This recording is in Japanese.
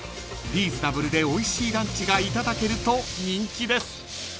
［リーズナブルでおいしいランチがいただけると人気です］